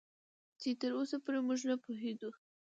چې تراوسه پرې موږ نه پوهېدو